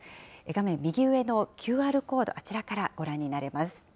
画面右上のＱＲコード、あちらからご覧になれます。